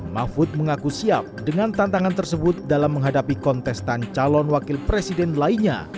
mahfud mengaku siap dengan tantangan tersebut dalam menghadapi kontestan calon wakil presiden lainnya